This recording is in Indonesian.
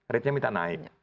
rate nya minta naik